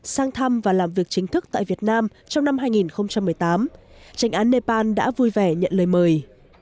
sang thăm và làm việc chính thức tại việt nam trong năm hai nghìn một mươi tám tranh án nepal đã vui vẻ nhận lời mời